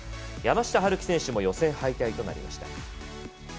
山下陽暉選手も予選敗退となりました。